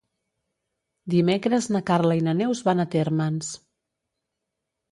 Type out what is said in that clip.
Dimecres na Carla i na Neus van a Térmens.